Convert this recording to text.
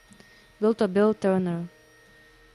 Byl to Bill Turner.